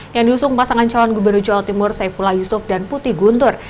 yang diusung pasangan calon gubernur jawa timur saifullah yusuf dan putih guntur